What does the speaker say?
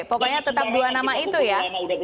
pokoknya tetap dua nama itu ya